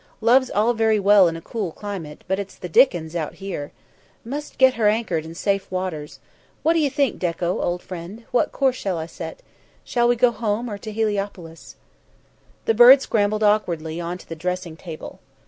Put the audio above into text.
Love's all very well in a cool climate, but it's the dickens out here. Must get her anchored in safe waters. What d'you think, Dekko old friend? What course shall I set? Shall we go home, or to Heliopolis?" The bird scrambled awkwardly on to the dressing table.